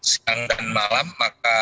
siang dan malam maka